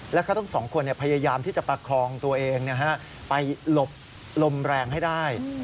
และเขาทั้งสองคนพยายามที่จะประคองตัวเองไปหลบลมแรงให้ได้